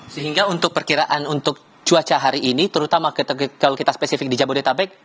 sehingga untuk perkiraan untuk cuaca hari ini terutama kalau kita spesifik di jabodetabek